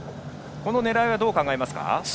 この狙いはどう考えますか？